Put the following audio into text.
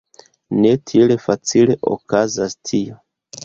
Ne tiel facile okazas tio!